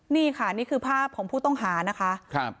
นี่ค่ะนี่คือภาพของผู้ต้องหานะคะ